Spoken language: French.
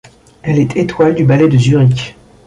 Elle est étoile du Ballet de Zurich.